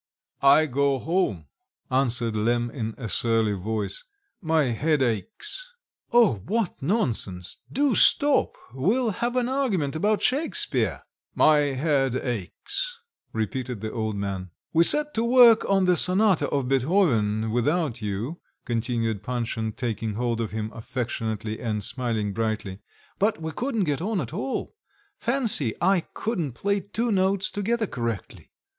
"I go home," answered Lemm in a surly voice; "my head aches." "Oh, what nonsense! do stop. We'll have an argument about Shakespeare." "My head aches," repeated the old man. "We set to work on the sonata of Beethoven without you," continued Panshin, taking hold of him affectionately and smiling brightly, "but we couldn't get on at all. Fancy, I couldn't play two notes together correctly."